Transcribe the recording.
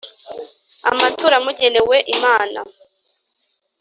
amaturo amugenewe Imana